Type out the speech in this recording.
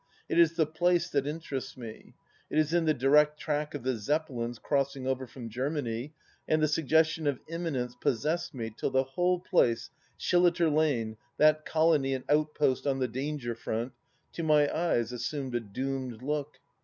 It is the place that interests me. It is in the direct track of the Zeppelins crossing over from Germany, and the suggestion of imminence possessed me till the whole place — Shilliter Lane, that colony and outpost on the danger front — to my eyes assumed a doomed look.